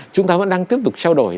chúng ta vẫn đang tiếp tục trao đổi